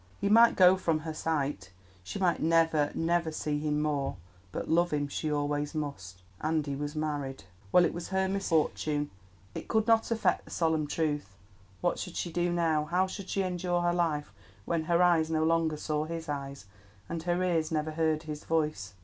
He might go from her sight, she might never, never see him more, but love him she always must. And he was married! Well, it was her misfortune; it could not affect the solemn truth. What should she do now, how should she endure her life when her eyes no longer saw his eyes, and her ears never heard his voice?